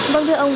vâng thưa ông